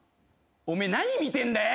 お前何見てんだよ！